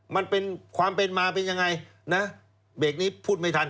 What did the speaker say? มันเป็นความเป็นมาเป็นยังไงนะเบรกนี้พูดไม่ทัน